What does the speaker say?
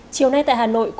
chiều nay tại hà nội